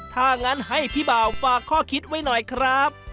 ถ้างั้นให้พี่บ่าวฝากข้อคิดไว้หน่อยครับ